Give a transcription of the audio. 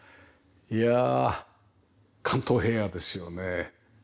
いやあ関東平野ですよね。